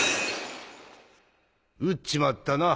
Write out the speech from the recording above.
撃っちまったな。